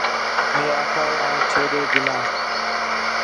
مئے آکھا ہِے آں چھے ݙے ڄُلاں